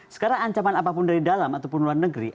sekarang ancaman apapun dari dalam ataupun luar negeri